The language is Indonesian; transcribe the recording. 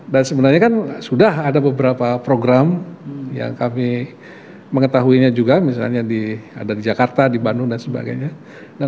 dan sebenarnya kan sudah ada beberapa program yang kami mengetahuinya juga misalnya di jakarta di bandung dan sebagainya